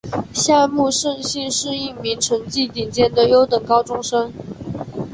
夏木胜幸是一名成绩顶尖的优等高中生。